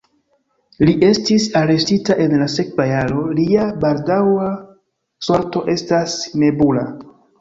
Li estis arestita en la sekva jaro, lia baldaŭa sorto estas nebula.